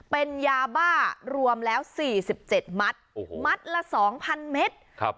เป็นยาบ้ารวมแล้วสี่สิบเจ็ดมัดโอ้โหมัดละสองพันเมตรครับ